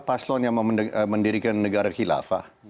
paslon yang mendirikan negara khilafah